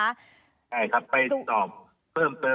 ใช่ครับไปสอบเพิ่มก่อน